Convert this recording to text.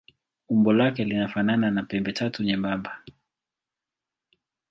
Umbo lake linafanana na pembetatu nyembamba.